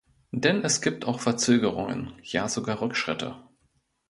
Denn es gibt auch Verzögerungen, ja sogar Rückschritte.